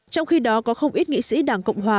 trong khi đó có không ít nghị sĩ đảng cộng hòa